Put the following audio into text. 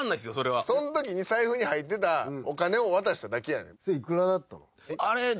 そんときに財布に入ってたお金を渡しただけやねん。